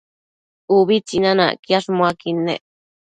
Ubi tsinanacquiash muaquid nec